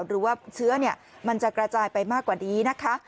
หรือว่าเชื้อมันจะกระจายไปมากกว่านี้นะคะ